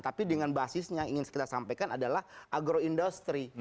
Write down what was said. tapi dengan basisnya ingin kita sampaikan adalah agroindustri